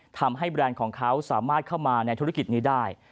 แบรนด์ของเขาสามารถเข้ามาในธุรกิจนี้ได้